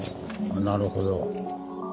なるほど。